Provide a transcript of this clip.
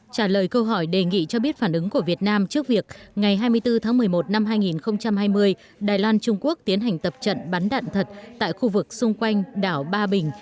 trả lời câu hỏi đề nghị cho biết phản ứng của việt nam trước việc ngày hai mươi bốn tháng một mươi một năm hai nghìn hai mươi đài loan trung quốc tiến hành tập trận bắn đạn thật tại khu vực xung quanh đảo ba bình